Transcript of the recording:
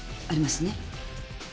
ありますね。